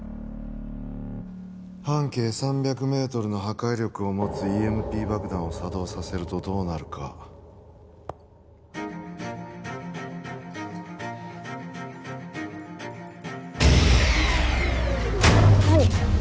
半径３００メートルの破壊力を持つＥＭＰ爆弾を作動させるとどうなるか何？